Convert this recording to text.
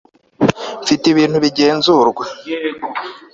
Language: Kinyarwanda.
mfite ibintu bigenzurwa